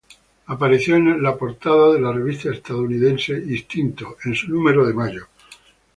Apareció en la portada de la revista estadounidense "Instinct" en su número de mayo.